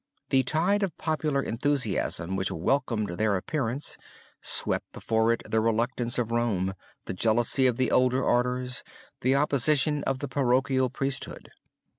The tide of popular enthusiasm which welcomed their appearance swept before it the reluctance of Rome, the jealousy of the older orders, the opposition of the parochial priesthood.